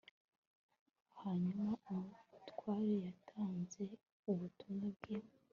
hanyuma umutware yatanze ubutumwa bwe